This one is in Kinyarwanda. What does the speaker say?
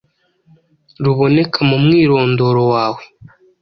ruboneka mumwirondoro wawe